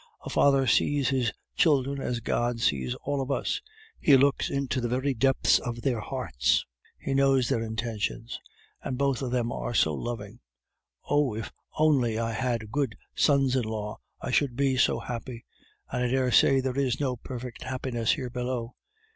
A father sees his children as God sees all of us; he looks into the very depths of their hearts; he knows their intentions; and both of them are so loving. Oh! if I only had good sons in law, I should be too happy, and I dare say there is no perfect happiness here below.